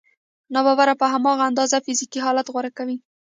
ناببره په هماغه اندازه فزیکي حالت غوره کوي